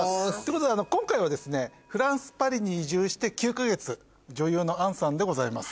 今回はですねフランスパリに移住して９か月女優の杏さんでございます。